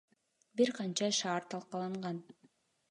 Бир канча шаар талкаланган.